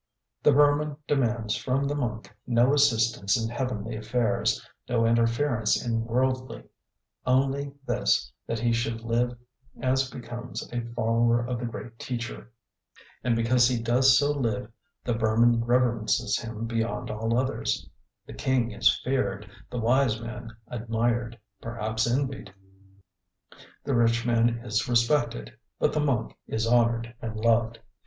The Burman demands from the monk no assistance in heavenly affairs, no interference in worldly, only this, that he should live as becomes a follower of the great teacher. And because he does so live the Burman reverences him beyond all others. The king is feared, the wise man admired, perhaps envied, the rich man is respected, but the monk is honoured and loved.